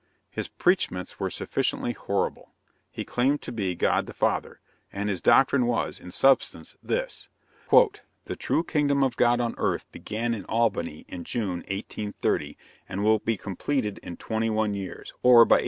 His preachments were sufficiently horrible. He claimed to be God the Father; and his doctrine was, in substance, this: "The true kingdom of God on earth began in Albany in June 1830, and will be completed in twenty one years, or by 1851.